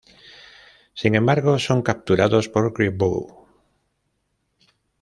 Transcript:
Sin embargo, son capturados por Grievous.